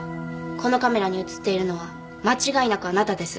このカメラに映っているのは間違いなくあなたです。